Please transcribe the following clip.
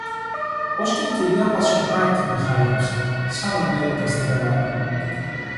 Ως και η κυρία Βασιωτάκη με χάιδεψε, σαν ανέβηκα στη βεράντα.